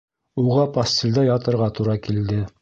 Уға постелдә ятырға тура килде